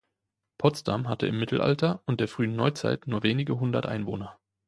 Potsdam hatte im Mittelalter und der frühen Neuzeit nur wenige hundert Einwohner.